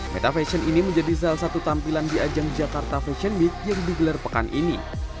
meta fashion ini menjadi salah satu tampilan di ajang jakarta fashion week yang digelar pekan ini